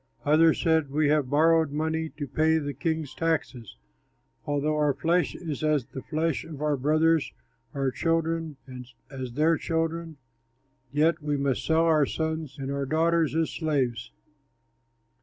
Others said, "We have borrowed money to pay the king's taxes. Although our flesh is as the flesh of our brothers, our children as their children; yet we must sell our sons and our daughters as slaves.